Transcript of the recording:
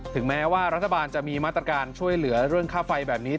ถึงแม้ว่ารัฐบาลจะมีมาตรการช่วยเหลือเรื่องค่าไฟแบบนี้